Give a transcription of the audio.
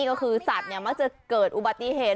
ก็คือสัตว์มักจะเกิดอุบัติเหตุ